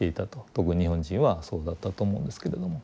特に日本人はそうだったと思うんですけれども。